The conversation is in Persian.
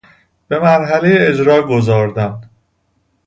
به مرحله اجراء گذاردن